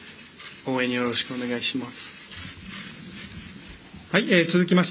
応援、よろしくお願いします。